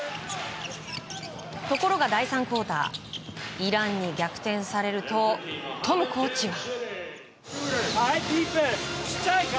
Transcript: ところが第３クオーターイランに逆転されるとトムコーチは。